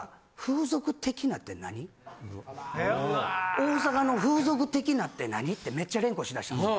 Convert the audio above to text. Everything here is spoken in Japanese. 「大阪の風俗的なって何？」ってめっちゃ連呼しだしたんですよ。